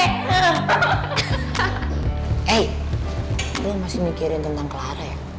hei kamu masih mikirin tentang clara ya